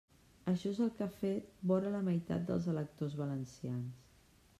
Això és el que ha fet vora la meitat dels electors valencians.